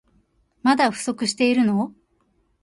まだ不足してるの？